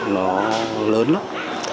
nó lớn lắm